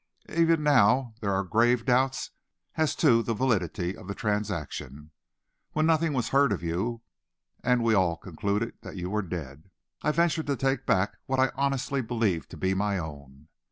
Even now there are grave doubts as to the validity of the transaction. When nothing was heard of you, and we all concluded that you were dead, I ventured to take back what I honestly believed to be my own.